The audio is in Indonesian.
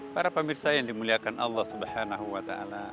para pemirsa yang dimuliakan allah swt